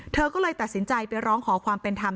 เธอก็เลยตัดสินใจไปร้องขอความเป็นธรรม